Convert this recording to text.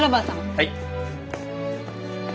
はい。